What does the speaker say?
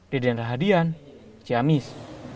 deden rahadian ciamis